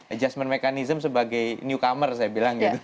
adjustment mechanism sebagai newcomer saya bilang gitu